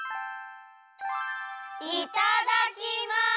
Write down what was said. いただきます！